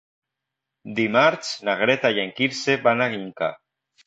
Dimarts na Greta i en Quirze van a Inca.